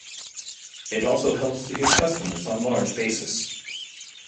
It also helps to get customers on large basis.